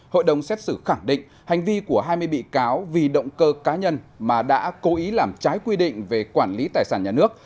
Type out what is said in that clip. hội đồng xét xử khẳng định hành vi của hai mươi bị cáo vì động cơ cá nhân mà đã cố ý làm trái quy định về quản lý tài sản nhà nước